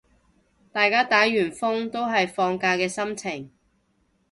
大家打完風都係放假嘅心情